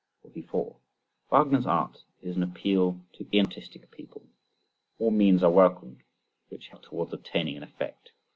44. Wagner's art is an appeal to inartistic people; all means are welcomed which help towards obtaining an effect.